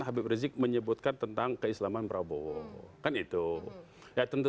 ada apa yang diperlukan